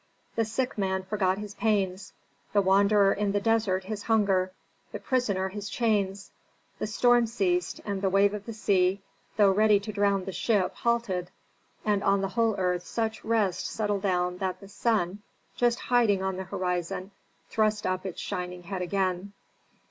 The sick man forgot his pains, the wanderer in the desert his hunger, the prisoner his chains. The storm ceased, and the wave of the sea, though ready to drown the ship, halted. And on the whole earth such rest settled down that the sun, just hiding on the horizon, thrust up his shining head again.